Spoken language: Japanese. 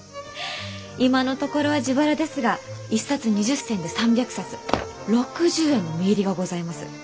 今のところは自腹ですが一冊２０銭で３００冊６０円の実入りがございます。